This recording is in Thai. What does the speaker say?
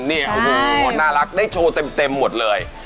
เป็นอย่างน่ารักได้โชว์เต็มหมดเลย